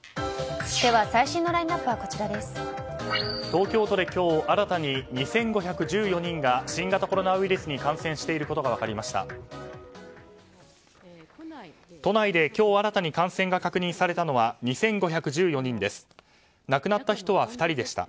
東京都で今日新たに２５１４人が新型コロナウイルスに感染していることが分かりました。